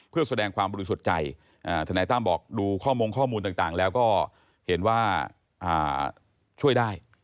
เพื่อแสดงความบริสุทธิ์ใจธนายตั้มบอกดูข้อมูลต่างแล้วก็เห็นว่าช่วยได้